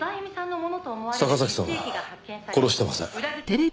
坂崎さんは殺してません。